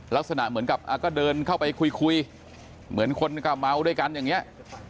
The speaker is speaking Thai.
ลักษณะเหมือนกับก็เดินเข้าไปคุยเหมือนคนก็เมาด้วยกันอย่างนี้